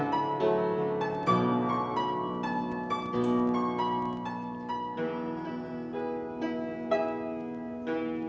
mbak desi nyanyi